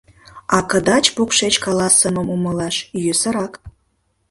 А кыдач-покшеч каласымым умылаш йӧсырак.